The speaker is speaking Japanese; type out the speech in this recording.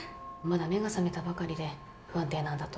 まだ目が覚めたばかりで不安定なんだと思います。